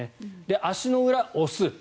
足の裏、押す。